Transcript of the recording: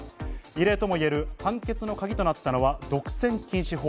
異例ともいえる判決のカギとなったのは独占禁止法。